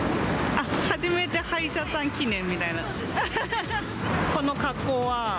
初めて歯医者さん記念みたいな。